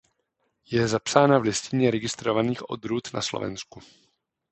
Je zapsána v Listině registrovaných odrůd na Slovensku.